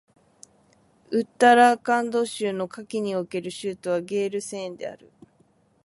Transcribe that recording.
ウッタラーカンド州の夏季における州都はゲールセーンである